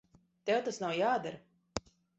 Tev tas nav jādara.